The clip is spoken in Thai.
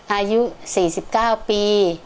อายุ๔๙ปี